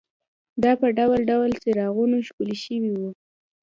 دا په ډول ډول څراغونو ښکلې شوې وې.